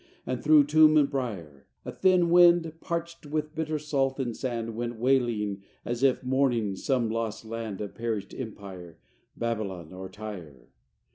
And through tomb and brier, A thin wind, parched with bitter salt and sand, Went wailing as if mourning some lost land Of perished empire, Babylon or Tyre.